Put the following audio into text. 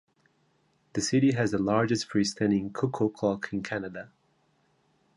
The city has the "largest freestanding cuckoo clock in Canada".